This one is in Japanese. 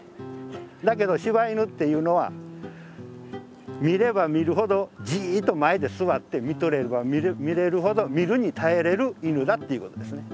だけど柴犬っていうのは見れば見るほどじっと前で座って見とれば見れるほど見るに堪えれる犬だっていうことですね。